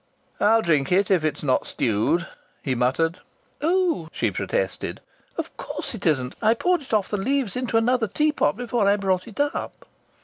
"I'll drink it if it's not stewed," he muttered. "Oh!" she protested, "of course it isn't! I poured it off the leaves into another teapot before I brought it up."